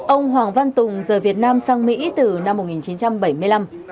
ông hoàng văn tùng rời việt nam sang mỹ từ năm một nghìn chín trăm bảy mươi năm